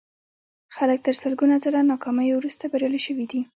خلک تر سلګونه ځله ناکاميو وروسته بريالي شوي دي.